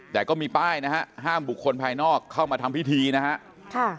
แต่ก็มีป้ายนะฮะห้ามบุคคลภายนอกเข้ามาทำพิธีนะฮะ